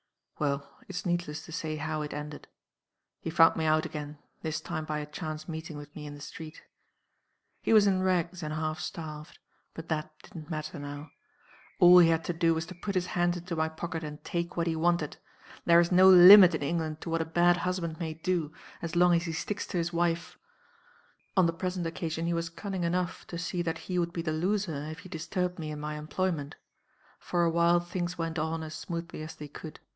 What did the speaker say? "Well, it's needless to say how it ended. He found me out again this time by a chance meeting with me in the street. "He was in rags, and half starved. But that didn't matter now. All he had to do was to put his hand into my pocket and take what he wanted. There is no limit, in England, to what a bad husband may do as long as he sticks to his wife. On the present occasion, he was cunning enough to see that he would be the loser if he disturbed me in my employment. For a while things went on as smoothly as they could.